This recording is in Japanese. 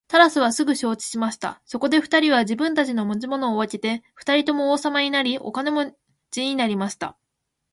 タラスはすぐ承知しました。そこで二人は自分たちの持ち物を分けて二人とも王様になり、お金持になりました。